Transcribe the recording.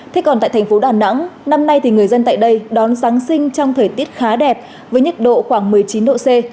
thế còn tại thành phố đà nẵng năm nay thì người dân tại đây đón giáng sinh trong thời tiết khá đẹp với nhiệt độ khoảng một mươi chín độ c